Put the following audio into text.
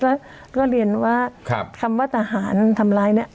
แล้วก็เรียนว่าครับคำว่าต่อหารทำร้ายเนี้ย